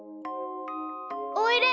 おいで！